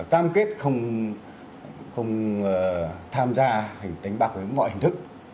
cam kết không tham gia hình tánh bạc với mọi hình thức